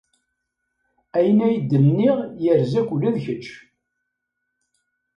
Ayen ay d-nniɣ yerza-k ula d kečč.